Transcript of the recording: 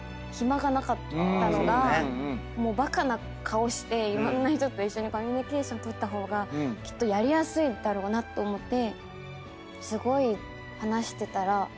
バカな顔していろんな人と一緒にコミュニケーション取った方がきっとやりやすいだろうなと思ってすごい話してたら。